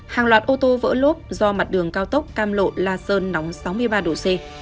hàng loạt ô tô vỡ lốp do mặt đường cao tốc cam lộ la sơn nóng sáu mươi ba độ c